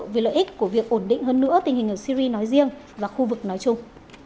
vì lợi ích của việc ổn định hơn nữa tình hình ở syri nói riêng và khu vực nói chung